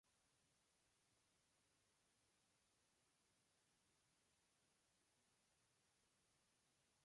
Enseñó en varios institutos educacionales, dentro de los cuales se destacó su labor.